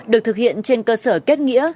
được thực hiện trên cơ sở kết nghĩa